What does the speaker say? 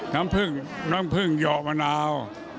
น้ำผึ้งยอมมะนาว